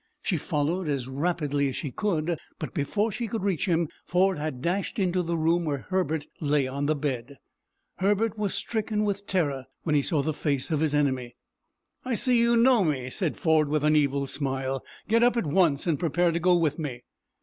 She followed as rapidly as she could, but before she could reach him, Ford had dashed into the room where Herbert lay on the bed. Herbert was stricken with terror when he saw the face of his enemy. "I see you know me," said Ford, with an evil smile. "Get up at once, and prepare to go with me."